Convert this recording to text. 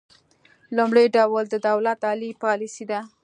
لومړی ډول د دولت عالي پالیسي ده